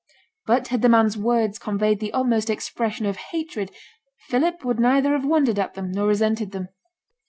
But had the man's words conveyed the utmost expression of hatred, Philip would neither have wondered at them, nor resented them.